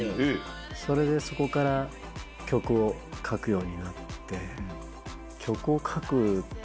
それでそこから曲を書くようになって。